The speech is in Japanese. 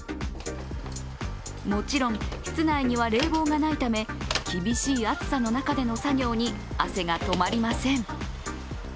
もちろん室内には冷房がないため厳しい暑さの中での作業に汗が止まりません。